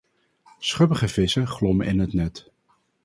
Schubbige vissen glommen in het net.